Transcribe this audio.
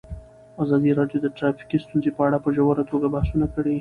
ازادي راډیو د ټرافیکي ستونزې په اړه په ژوره توګه بحثونه کړي.